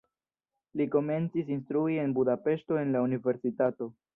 Li komencis instrui en Budapeŝto en la universitato.